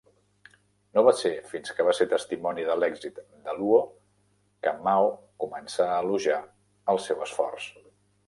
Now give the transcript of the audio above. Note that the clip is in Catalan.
No va ser fins que va ser testimoni de l'èxit de Luo que Mao començà a elogiar el seu esforç .